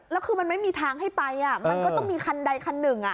แล้วคือมันไม่มีทางให้ไปมันก็ต้องมีคันใดคันหนึ่ง